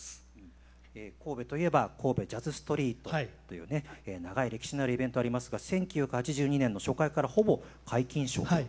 神戸といえば神戸ジャズストリートというね長い歴史のあるイベントありますが１９８２年の初回からほぼ皆勤賞という。